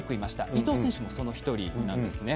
伊藤選手もその１人なんですね。